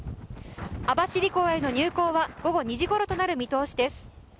網走港への入港は午後２時ごろとなる見通しです。